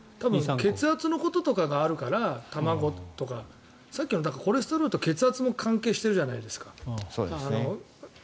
血圧のこととかがあるからさっきのコレステロールって血圧も関係しているじゃないですか。